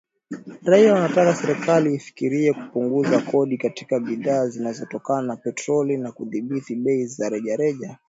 raia wanataka serikali ifikirie kupunguza kodi katika bidhaa zinazotokana na petroli na kudhibiti bei za rejareja